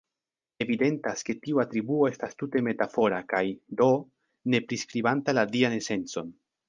Evidentas ke tiu atribuo estas tute metafora kaj, do, ne priskribanta la dian esencon.